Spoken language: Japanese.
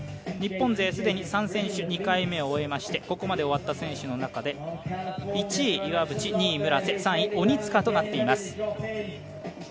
日本勢、既に３選手、２回目を終えましてここまで終わった選手の中で１位、岩渕２位、村瀬３位、鬼塚となっています。